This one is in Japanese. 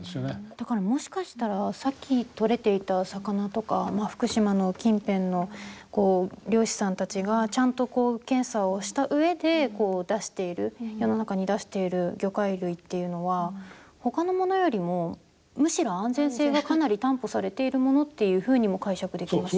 だから、もしかしたらさっき取れていた魚とか福島の近辺の漁師さんたちがちゃんと検査をしたうえで世の中に出している魚介類っていうのは他のものよりも、むしろ安全性がかなり担保されているものというふうにも解釈できますよね。